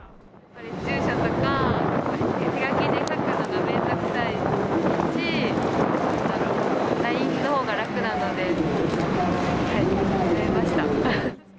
住所とか、手書きで書くのがめんどくさいし、ＬＩＮＥのほうが楽なのでやめました。